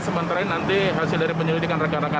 sementara ini nanti hasil dari penyelidikan rakan rakan